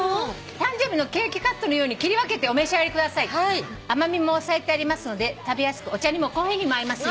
「誕生日のケーキカットのように切り分けてお召し上がりください」「甘味も抑えてありますので食べやすくお茶にもコーヒーにも合いますよ」